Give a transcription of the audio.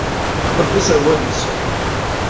Yeqleb aserwal-is.